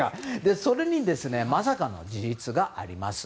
それにまさかの事実があります。